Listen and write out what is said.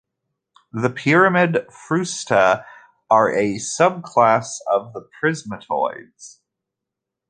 The pyramidal frusta are a subclass of the prismatoids.